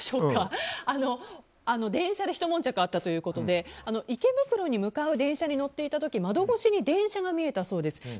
電車でひと悶着あったということで池袋に向かう電車に乗っていた時窓越しに電車が見えたそうです。